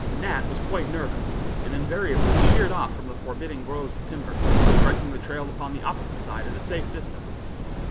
Nat was quite nervous, and invariably sheered off from the forbidding groves of timber, striking the trail upon the opposite side at a safe distance.